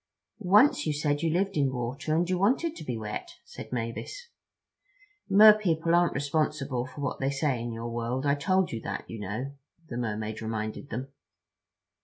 "Once you said you lived in water, and you wanted to be wet," said Mavis. "Mer people aren't responsible for what they say in your world. I told you that, you know," the Mermaid reminded them.